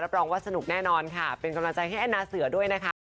รองว่าสนุกแน่นอนค่ะเป็นกำลังใจให้แอนนาเสือด้วยนะคะ